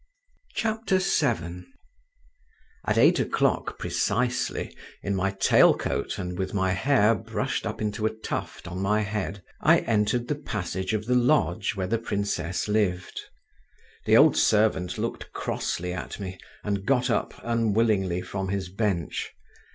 VII At eight o'clock precisely, in my tail coat and with my hair brushed up into a tuft on my head, I entered the passage of the lodge, where the princess lived. The old servant looked crossly at me and got up unwillingly from his bench.